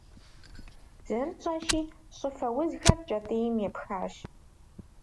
Зэрытщӏэщи, щӏыфэ узхэр кӏэтӏийм епхащ.